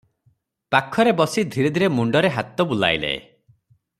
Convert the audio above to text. ପାଖରେ ବସି ଧୀରେ ଧୀରେ ମୁଣ୍ଡରେ ହାତ ବୁଲାଇଲେ ।"